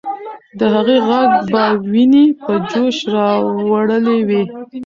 د هغې ږغ به ويني په جوش راوړلې وې.